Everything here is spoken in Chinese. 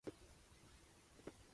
扫描二维码关注我们。